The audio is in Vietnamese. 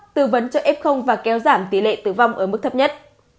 tư vấn cho f và kéo giảm tỷ lệ tử vong ở mức thấp nhất